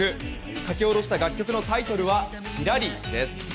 書き下ろした楽曲のタイトルは「ひらり」です。